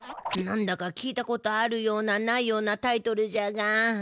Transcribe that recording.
なんだか聞いたことあるようなないようなタイトルじゃが。